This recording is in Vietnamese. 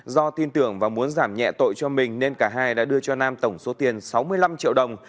do tin tưởng và muốn giảm nhẹ tội cho mình nên cả hai đã đưa cho nam tổng số tiền sáu mươi năm triệu đồng